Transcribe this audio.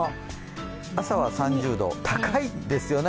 朝は３０度、高いですよね。